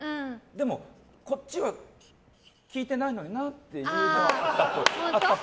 でも、こっちは聞いてないのになっていうのはあったっぽい。